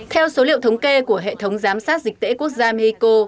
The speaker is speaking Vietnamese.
theo số liệu thống kê của hệ thống giám sát dịch tễ quốc gia mexico